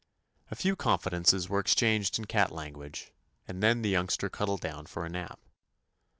A few confidences were exchanged in cat language, and then the youngster cuddled down for a nap.